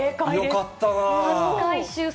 よかった。